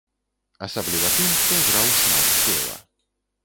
Асабліва тым, хто граў шмат сола.